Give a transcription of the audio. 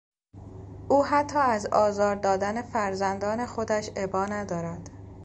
او حتی از آزار دادن فرزندان خودش ابا ندارد.